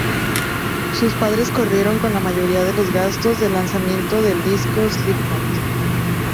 Sus padres corrieron con la mayoría de los gastos del lanzamiento del disco "Slipknot".